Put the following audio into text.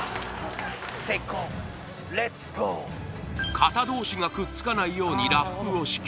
型同士がくっつかないようにラップを敷き